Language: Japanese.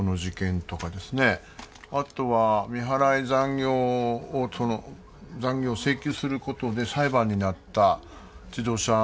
あとは未払い残業を請求することで裁判になった自動車整備